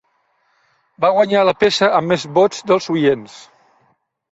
Va guanyar la peça amb més vots dels oients.